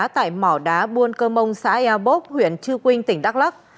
tại mỏ đá buôn cơ mông xã ea bốc huyện trư quynh tỉnh đắk lắc